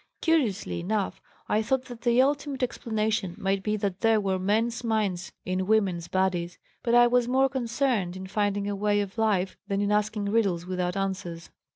Curiously enough, I thought that the ultimate explanation might be that there were men's minds in women's bodies, but I was more concerned in finding a way of life than in asking riddles without answers.